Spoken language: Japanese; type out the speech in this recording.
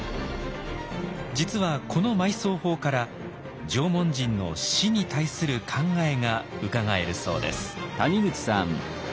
実はこの埋葬法から縄文人の死に対する考えがうかがえるそうです。